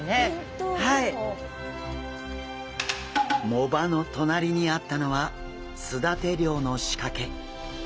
藻場の隣にあったのはすだて漁の仕掛け。